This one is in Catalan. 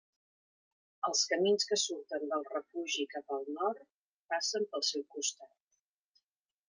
Els camins que surten del refugi cap al nord passen pel seu costat.